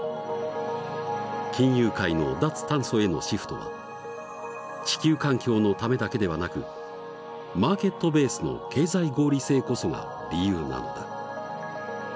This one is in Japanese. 金融界の脱炭素へのシフトは地球環境のためだけではなくマーケットベースの経済合理性こそが理由なのだ。